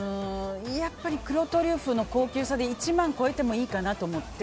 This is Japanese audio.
やっぱり黒トリュフの高級さで１万を超えてもいいかなと思って。